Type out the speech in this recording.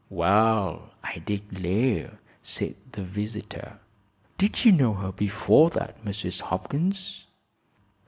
"Well, I declare!" said the visitor. "Did you know her before that, Mrs. Hopkins?"